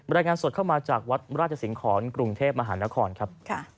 รายงานสดเข้ามาจากวัดราชสิงหอนกรุงเทพมหานครครับ